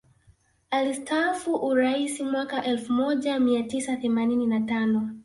alistafu uraisi mwaka elfu moja mia tisa themanini na tano